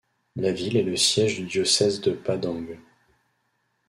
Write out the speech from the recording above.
La ville est le siège du Diocèse de Padang.